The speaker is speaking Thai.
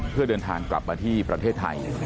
เพื่อเดินทางกลับมาที่ประเทศไทย